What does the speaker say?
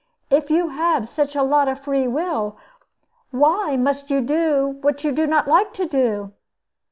If you have such a lot of freewill, why must you do what you do not like to do?"